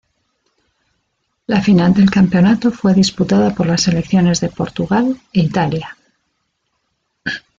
La final del campeonato fue disputada por las selecciones de Portugal e Italia.